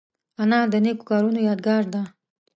انا د نیکو کارونو یادګار ده